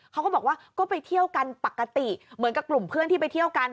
เขาก็บอกว่าก็ไปเที่ยวกันปกติเหมือนกับกลุ่มเพื่อนที่ไปเที่ยวกัน